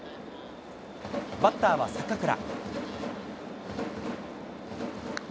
バッターは坂倉。